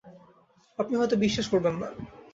আপনি হয়তো বিশ্বাস করবেন না।